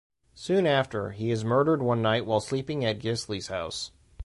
Soon after, he is murdered one night while sleeping at Gisli's house.